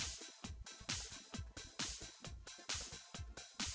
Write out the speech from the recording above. segera untuk membuka panda